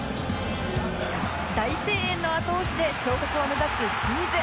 大声援の後押しで昇格を目指す清水